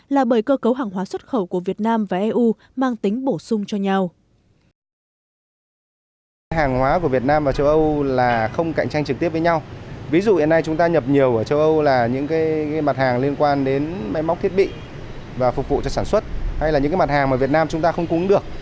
là bởi cơ cấu hàng hóa xuất khẩu của việt nam và eu mang tính bổ sung cho nhau